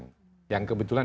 hmm yang kebetulan